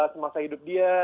semasa hidup dia